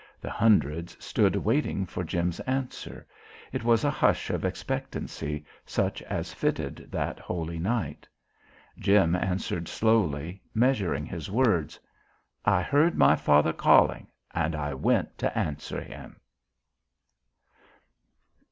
The hundreds stood waiting for Jim's answer. It was a hush of expectancy, such as fitted that holy night. Jim answered slowly, measuring his words: "I heard my Father calling and I went to answer Him!"